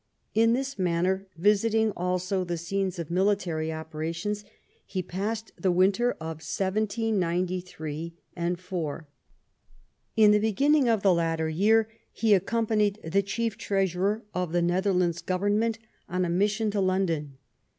In this manner, visiting also the scenes of military operations, he passed the winter of 1793 4. In the beginning of the latter year he accompanied the chief treasurer of the Netherlands Government on a mission ta London.